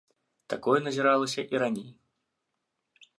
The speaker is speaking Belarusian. Такое назіралася і раней.